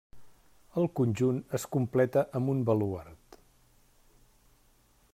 El conjunt es completa amb un baluard.